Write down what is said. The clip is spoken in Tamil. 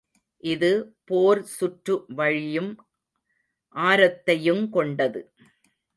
இது போர் சுற்று வழியும் ஆரத்தையுங் கொண்டது.